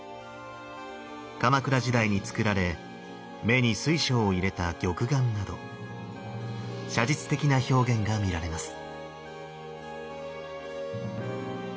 鎌倉時代に造られ目に水晶を入れた玉眼など写実的な表現が見られます。